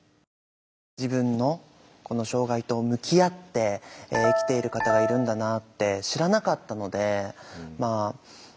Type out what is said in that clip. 自分の障害と向き合って生きている方がいるんだなって知らなかったのでまあ